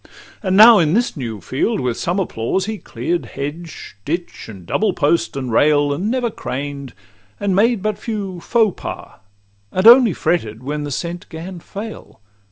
And now in this new field, with some applause, He clear'd hedge, ditch, and double post, and rail, And never craned, and made but few 'faux pas,' And only fretted when the scent 'gan fail.